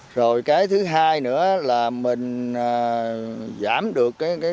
rồi cái thứ hai nữa là mình giảm được cái căm